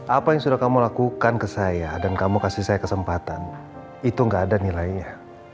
apa yang sudah kamu lakukan ke saya dan kamu kasih saya kesempatan itu gak ada nilainya